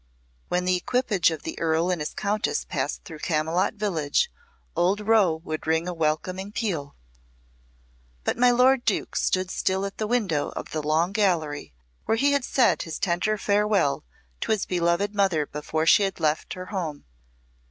When the equipage of the Earl and his Countess passed through Camylott village, old Rowe would ring a welcoming peal. But my lord Duke stood still at the window of the Long Gallery where he had said his tender farewell to his beloved mother before she had left her home.